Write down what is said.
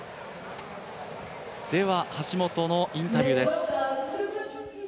では、橋本のインタビューです。